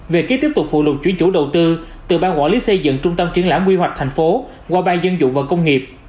về kế tiếp tục phụ luật chuyển chủ đầu tư từ ban quản lý xây dựng trung tâm triển lãm quy hoạch tp hcm qua ban dân dụng và công nghiệp